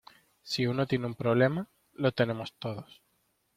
si uno tiene un problema, lo tenemos todos.